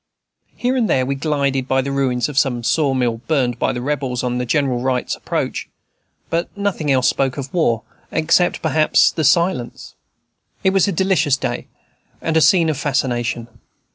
Here and there we glided by the ruins of some saw mill burned by the Rebels on General Wright's approach; but nothing else spoke of war, except, perhaps, the silence. It was a delicious day, and a scene of fascination.